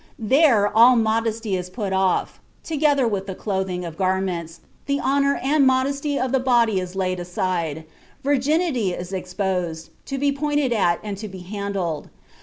There all modesty is put off; together with the clothing of garments, the honor and modesty of the body is laid aside, virginity is exposed, to be pointed at and to be handled....